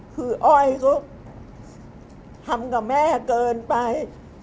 คืออ้อยก็ทำกับแม่เกินไป